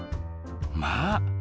まあ！